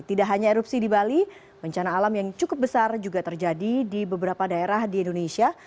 tidak hanya erupsi di bali bencana alam yang cukup besar juga terjadi di beberapa daerah di indonesia